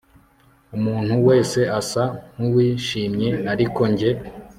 Umuntu wese asa nkuwishimye ariko njye